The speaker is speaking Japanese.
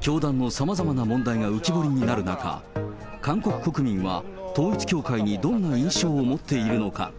教団のさまざまな問題が浮き彫りになる中、韓国国民は統一教会にどんな印象を持っているのか。